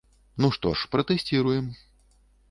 Ну што ж, пратэсціруем.